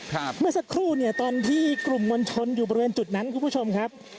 เมื่อสักครู่เนี่ยตอนที่กลุ่มมวลชนอยู่บริเวณจุดนั้นคุณผู้ชมครับ